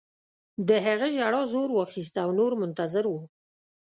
د هغه ژړا زور واخیست او نور منتظر وو